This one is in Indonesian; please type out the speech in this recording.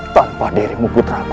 tanpa dirimu putraku